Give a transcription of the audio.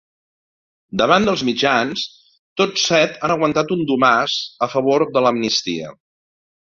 Davant dels mitjans, tots set han aguantat un domàs a favor de l’amnistia.